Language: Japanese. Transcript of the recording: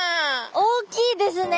大きいですね